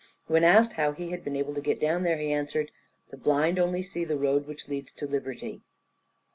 When asked how he had been able to get down there, he answered, "The blind only see the road which leads to liberty."